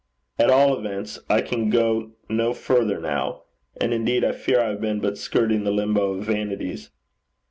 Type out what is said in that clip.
At all events I can go no further now. And indeed I fear I have been but skirting the Limbo of Vanities.'